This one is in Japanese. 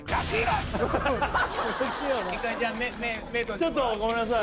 ちょっとごめんなさい